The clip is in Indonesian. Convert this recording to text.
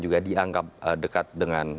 juga dianggap dekat dengan